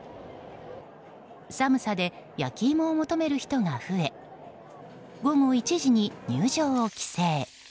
寒さで焼き芋を求める人が増え午後１時に入場を規制。